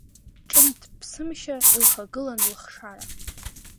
Ҿымҭ-ԥсымшьа илхагылан лыхшара.